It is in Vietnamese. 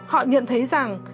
họ nhận thấy rằng